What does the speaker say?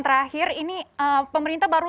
terakhir ini pemerintah baru